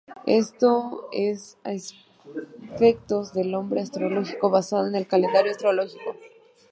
Esto es a efectos del hombre astrológico basado en el calendario astrológico.